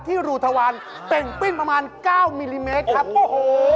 ที่หลูทวารเตร่งปริ้นประมาณ๙มิลลิเมตรครับโอ้โห